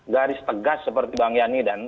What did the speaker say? garis tegas seperti bang yani dan